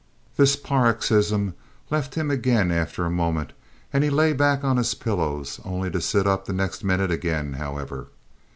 This paroxysm left him again after a moment, and he lay back on his pillows, only to sit up the next minute again, however.